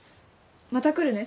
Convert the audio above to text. また来るね。